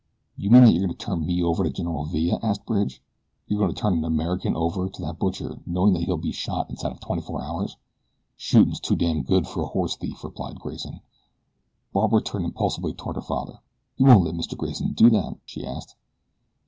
"You mean that you are going to turn me over to General Villa?" asked Bridge. "You are going to turn an American over to that butcher knowing that he'll be shot inside of twenty four hours?" "Shootin's too damned good fer a horse thief," replied Grayson. Barbara turned impulsively toward her father. "You won't let Mr. Grayson do that?" she asked.